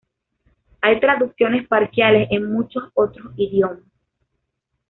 Hay traducciones parciales en muchos otros idiomas.